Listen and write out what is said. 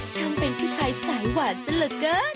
ทำเป็นผู้ชายสายหวานซะเหลือเกิน